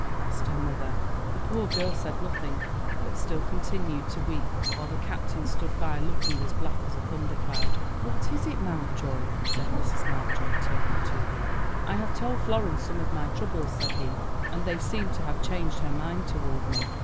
asked her mother. The poor girl said nothing, but still continued to weep, while the captain stood by looking as black as a thunder cloud. "What is it, Mountjoy?" said Mrs. Mountjoy, turning to him. "I have told Florence some of my troubles," said he, "and they seemed to have changed her mind toward me."